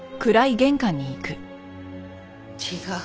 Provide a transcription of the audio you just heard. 違う。